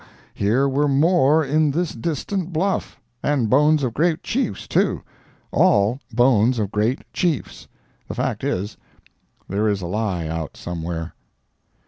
here were more in this distant bluff!—and bones of great Chiefs, too—all bones of great Chiefs. The fact is, there is a lie out somewhere.